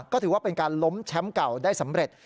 ก็ถือว่าเป็นการล้มแชมป์เก่าได้สำเร็จ